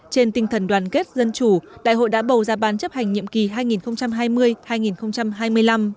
trên tinh thần đoàn kết dân chủ đại hội đã bầu ra ban chấp hành nhiệm kỳ hai nghìn hai mươi hai nghìn hai mươi năm